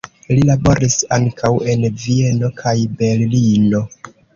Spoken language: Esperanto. Li laboris ankaŭ en Vieno kaj Berlino.